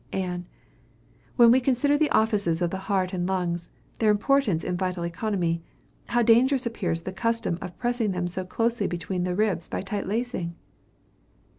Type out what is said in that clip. Ann. When we consider the offices of the heart and lungs, their importance in vital economy, how dangerous appears the custom of pressing them so closely between the ribs by tight lacing?